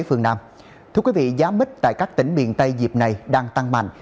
thưa quý vị giá mít tại các tỉnh miền tây dịp này đang tăng mạnh